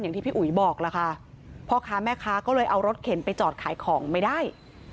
ที่พี่อุ๋ยบอกล่ะค่ะพ่อค้าแม่ค้าก็เลยเอารถเข็นไปจอดขายของไม่ได้